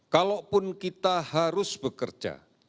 kalaupun kita harus bekerja